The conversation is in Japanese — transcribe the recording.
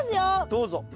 どうぞ。